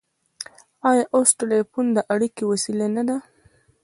آیا اوس ټیلیفون د اړیکې وسیله نه ده؟